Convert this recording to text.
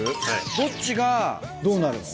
どっちがどうなるの？